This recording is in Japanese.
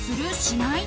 しない？